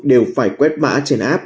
đều phải quét mã trên app